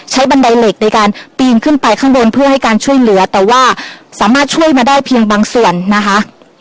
บันไดเหล็กในการปีนขึ้นไปข้างบนเพื่อให้การช่วยเหลือแต่ว่าสามารถช่วยมาได้เพียงบางส่วนนะคะ